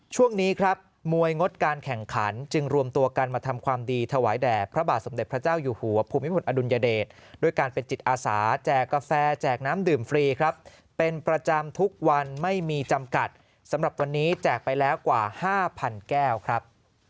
ช่วงนี้ครับมวยงดการแข่งขันจึงรวมตัวกันมาทำความดีถวายแด่พระบาทสมเด็จพระเจ้าอยู่หัวภูมิพลอดุลยเดชด้วยการเป็นจิตอาสาแจกกาแฟแจกน้ำดื่มฟรีครับเป็นประจำทุกวันไม่มีจำกัดสำหรับวันนี้แจกไปแล้วกว่า๕๐๐แก้วครับ